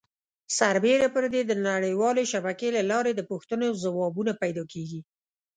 سربیره پر دې د نړۍ والې شبکې له لارې د پوښتنو ځوابونه پیدا کېږي.